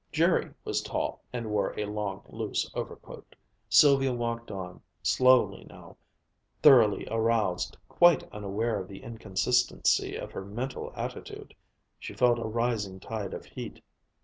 Jerry was tall and wore a long, loose overcoat. Sylvia walked on, slowly now, thoroughly aroused, quite unaware of the inconsistency of her mental attitude. She felt a rising tide of heat.